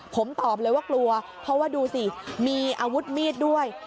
ผมตอบเลยว่ากลัวเพราะว่าดูสิมีอาวุธมีดด้วย